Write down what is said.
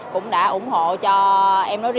cũng đã ủng hộ cho em